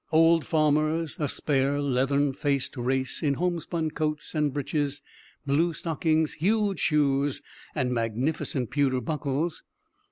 Old farmers, a spare leathern faced race, in homespun coats and breeches, blue stockings, huge shoes, and magnificent pewter buckles.